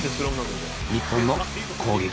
日本の攻撃